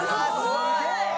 ・すげえ！